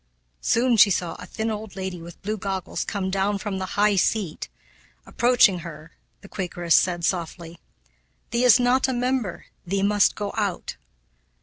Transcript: Soon she saw a thin old lady with blue goggles come down from the "high seat." Approaching her, the Quakeress said softly, "Thee is not a member thee must go out."